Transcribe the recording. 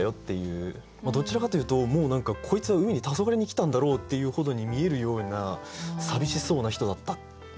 もうどちらかというともう何かこいつは海にたそがれに来たんだろうっていうほどに見えるような寂しそうな人だった。